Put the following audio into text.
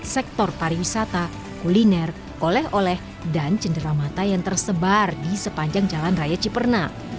sektor pariwisata kuliner oleh oleh dan cenderamata yang tersebar di sepanjang jalan raya cipernak